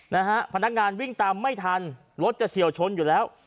นะฮะพนักงานวิ่งตามไม่ทันรถจะเฉียวชนอยู่แล้ว